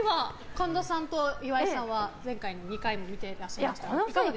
神田さんと岩井さんは前回の２回も見てらっしゃいましたがいかがでしたか？